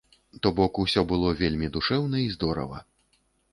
То бок усё было вельмі душэўна і здорава.